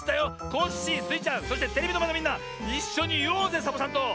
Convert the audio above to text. コッシースイちゃんそしてテレビのまえのみんないっしょにいおうぜサボさんと。